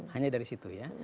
hanya dari situ ya